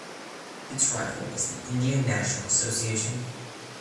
Its rival was the Indian National Association.